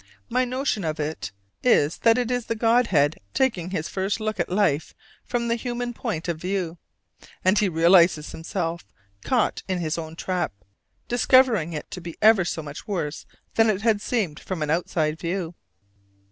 My notion of it is that it is the Godhead taking his first look at life from the human point of view; and he realizes himself "caught in his own trap," discovering it to be ever so much worse than it had seemed from an outside view.